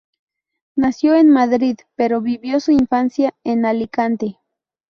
Nació en Madrid, pero vivió su infancia en Alicante.